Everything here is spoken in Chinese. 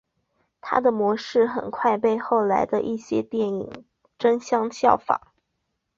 它的模式很快被后来的一些电影争相效仿。